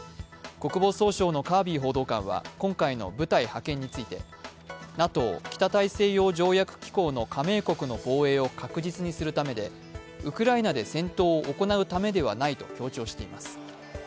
国防総省のカービー報道官は今回の派遣について、ＮＡＴＯ＝北大西洋条約機構の加盟国の防衛を確実にするためでウクライナで戦闘を行うためではないと強調しています。